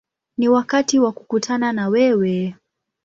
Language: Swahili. Ni wakati wa kukutana na wewe”.